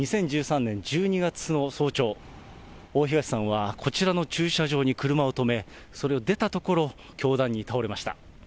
２０１３年１２月の早朝、大東さんはこちらの駐車場に車を止め、それを出たところ、凶弾に倒れました。